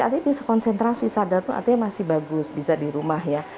artinya bisa konsentrasi sadar pun artinya masih bagus bisa di rumah ya